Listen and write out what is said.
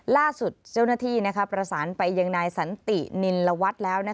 ล่าสุดเจ้าหน้าที่ประสานไปยังนายสันตินินลวัฒน์แล้ว